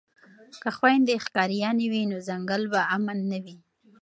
که خویندې ښکاریانې وي نو ځنګل به امن نه وي.